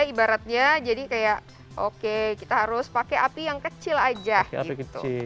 ibaratnya jadi kayak oke kita harus pakai api yang kecil aja gitu